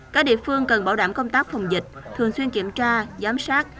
các địa phương cần bảo đảm công tác phòng dịch thường xuyên kiểm tra giám sát